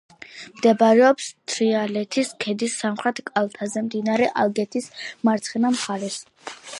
მდებარეობს თრიალეთის ქედის სამხრეთ კალთაზე, მდინარე ალგეთის მარცხენა მხარეს.